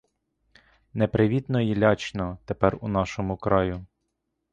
Непривітно й лячно тепер у нашому краю.